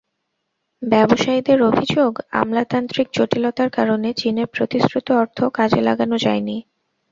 ব্যবসায়ীদের অভিযোগ, আমলাতান্ত্রিক জটিলতার কারণে চীনের প্রতিশ্রুত অর্থ কাজে লাগানো যায়নি।